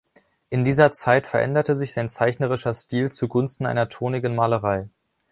In dieser Zeit veränderte sich sein zeichnerischer Stil zugunsten einer tonigen Malerei.